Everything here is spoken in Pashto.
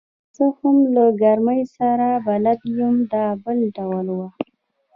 که څه هم له ګرمۍ سره بلد یم، دا بل ډول وه.